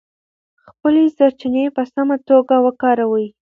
خپلې سرچینې په سمه توګه وکاروئ.